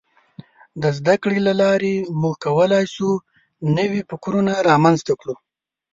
د زدهکړې له لارې موږ کولای شو نوي فکرونه رامنځته کړو.